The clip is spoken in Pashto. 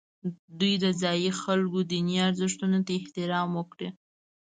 دوی د ځایي خلکو دیني ارزښتونو ته احترام وکړي.